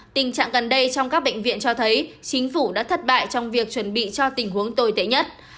tình trạng gần đây trong các bệnh viện cho thấy chính phủ đã thất bại trong việc chuẩn bị cho tình huống tồi tệ nhất